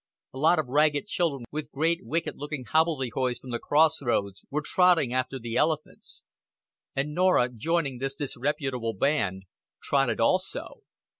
A lot of ragged children with great wicked looking hobbledehoys from the Cross Roads, were trotting after the elephants; and Norah, joining this disreputable band, trotted also.